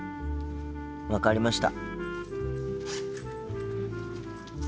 分かりました。